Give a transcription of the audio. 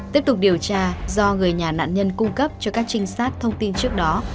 tiếp tục điều tra do người nhà nạn nhân cung cấp cho các trinh sát thông tin trước đó